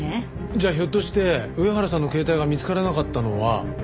じゃあひょっとして上原さんの携帯が見つからなかったのは。